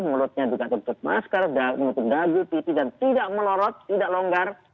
mulutnya juga tertutup masker menutup dagu pipi dan tidak melorot tidak longgar